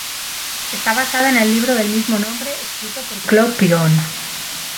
Está basada en el libro del mismo nombre escrito por Claude Piron.